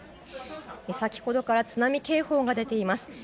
先ほどから津波警報が出ています。